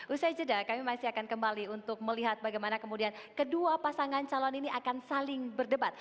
usai jeda kami masih akan kembali untuk melihat bagaimana kemudian kedua pasangan calon ini akan saling berdebat